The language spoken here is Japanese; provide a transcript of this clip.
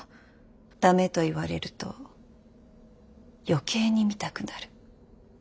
駄目と言われると余計に見たくなる。